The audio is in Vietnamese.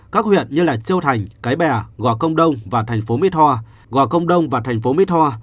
các huyện như châu thành cái bè gò công đông và thành phố mỹ tho gò công đông và thành phố mỹ tho